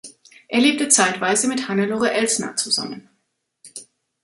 Er lebte zeitweise mit Hannelore Elsner zusammen.